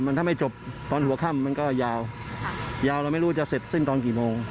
มันถ้าไม่จบตอนหัวค่ำมันก็ยาวยาวเราไม่รู้จะเสร็จสิ้นตอนกี่โมง